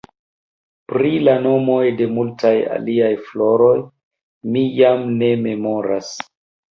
Pri la nomoj de multaj aliaj floroj mi jam ne memoras.